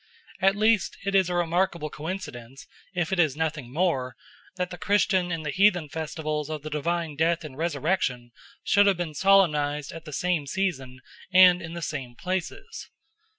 At least it is a remarkable coincidence, if it is nothing more, that the Christian and the heathen festivals of the divine death and resurrection should have been solemnised at the same season and in the same places.